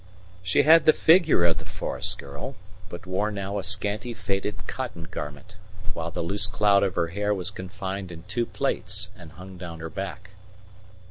She had the figure of the forest girl, but wore now a scanty faded cotton garment, while the loose cloud of hair was confined in two plaits and hung down her back.